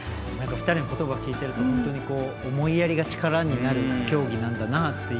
２人のことばを聞いていると思いやりが力になる競技なんだなって。